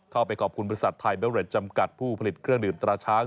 ขอบคุณบริษัทไทยเบเรดจำกัดผู้ผลิตเครื่องดื่มตราช้าง